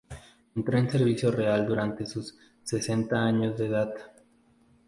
Entró en servicio real durante sus sesenta años de edad.